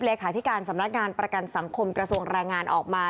เลขาธิการสำนักงานประกันสังคมกระทรวงแรงงานออกมา